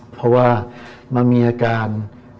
เพราะว่ามันมีอาการ